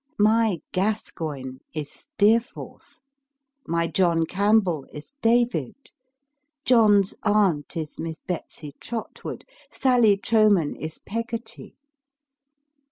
My Gascoigne is Steerforth, my John Campbell is David, John s aunt is Miss Betsy Trotwood, Sally Troman is Peggotty.